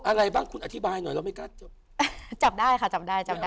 อะไรบ้างคุณอธิบายหน่อยเราไม่กล้าจับจับได้ค่ะจับได้จำได้